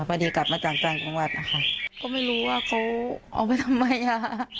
พอดีกลับมาจากต่างจังหวัดนะคะก็ไม่รู้ว่าเขาเอาไปทำไมอ่ะ